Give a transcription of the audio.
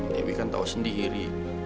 dewi kan tau sendiri riri